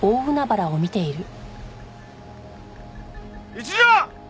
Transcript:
一条！